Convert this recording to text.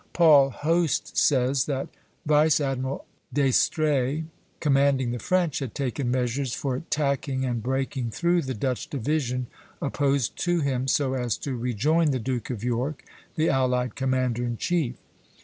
B). Paul Hoste says that Vice Admiral d'Estrées, commanding the French, had taken measures for tacking and breaking through the Dutch division opposed to him so as to rejoin the Duke of York, the allied commander in chief.